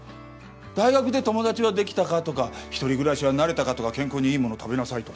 大学で友達はできたか？とか１人暮らしは慣れたか？とか健康にいいもの食べなさいとか。